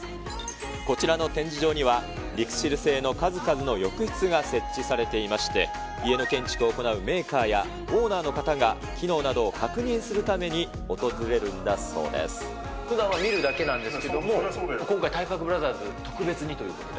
こちらの展示場には、ＬＩＸＩＬ製の数々の浴室が設置されていまして、家の建築を行うメーカーやオーナーの方が、機能などを確認するたふだんは見るだけなんですけども、今回、体格ブラザーズ、特別にということで。